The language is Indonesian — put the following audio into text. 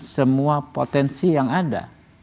semua potensi yang ada